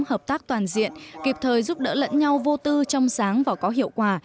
hợp tác toàn diện kịp thời giúp đỡ lẫn nhau vô tư trong sáng và có hiệu quả